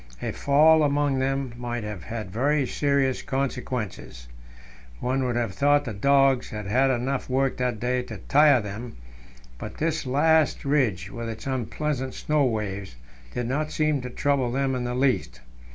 A fall among them might have had very serious consequences. One would have thought the dogs had had enough work that day to tire them, but this last ridge, with its unpleasant snow waves, did not seem to trouble them in the least.